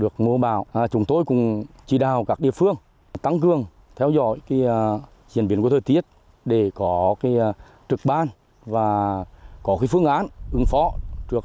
chúng tôi cũng chỉ đào các địa phương tăng cương theo dõi diễn biến của thời tiết để có trực ban và có phương án ứng phó